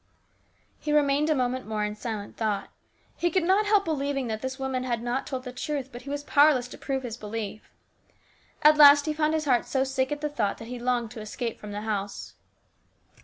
He remained a moment more in silent thought. He could not help believing that this woman had not told the truth, but he was powerless to prove his belief. . At last he found his heart so sick at the thought that he longed to escape from the house.